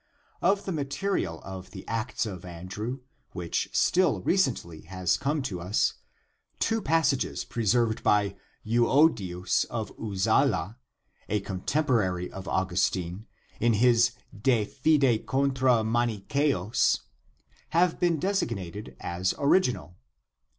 Of the material of the Acts of Andrew, which still recently has come to us, two passages preserved by Euodius of Uzala, a cotemporary of Augustine, in his De fide contra Manichceos, c. p. XXXVIII, have been designated as original.